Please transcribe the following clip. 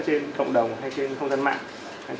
trên cộng đồng hay trên không gian mạng